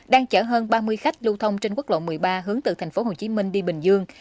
đang chở hơn ba mươi khách lưu thông trên quốc lộ một mươi ba hướng từ tp hcm đi bình dương